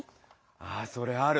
あそれある！